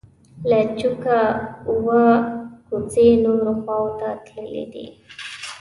له چوکه اووه کوڅې نورو خواو ته تللي دي.